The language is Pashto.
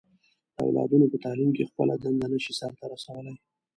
د اولادونو په تعليم کې خپله دنده نه شي سرته رسولی.